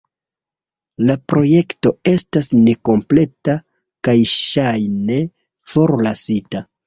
La projekto estas nekompleta kaj ŝajne forlasita.